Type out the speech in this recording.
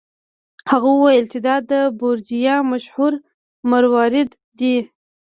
هغه وویل چې دا د بورجیا مشهور مروارید دی.